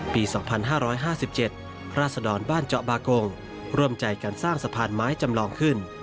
ปี๒๕๕๗ราศดรบ้านเจาะบากงร่วมใจกันสร้างสะพานไม้จำลองขึ้น